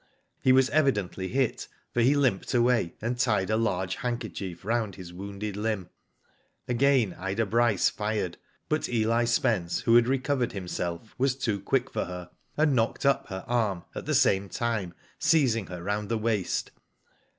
He was evidently hit, for he limped away, and tied a large handkerchief round his wounded limb. Again Ida Bryce fired; but Eli Spence, who had recovered himself, was too quick for her, and knocked up her arm, at the same time seizing her round the waist.